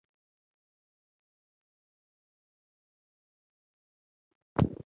دا افرادو او شرکتونو ته شرایط برابرول دي.